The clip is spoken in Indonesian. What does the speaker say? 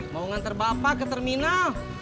mau ngantar bapak ke terminal